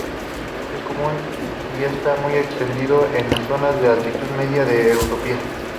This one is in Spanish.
Es común y está muy extendido en las zonas de altitud media de Etiopía.